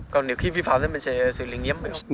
còn nếu khi vi pháo thì mình sẽ xử lý nghiêm hay không